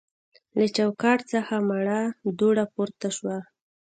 له چوکاټ څخه مړه دوړه پورته شوه.